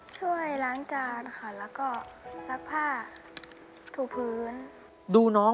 ช่วยล้างจานค่ะแล้วก็ซักผ้าถูพื้นดูน้อง